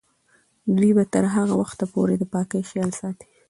دوی به تر هغه وخته پورې د پاکۍ خیال ساتي.